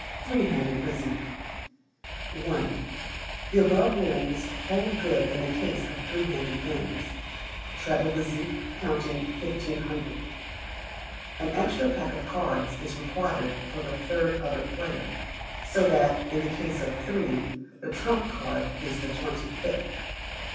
Three Handed Bezique. i. The above rules hold good in the case of three handed games treble bézique counting 1,500. An extra pack of cards is required for the third other player; so that, in the case of three, the trump card is the twenty fifth.